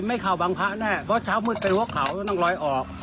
ไม่เข้าบางพระแน่เพราะเช้ามืดไปหัวเขามันต้องลอยออก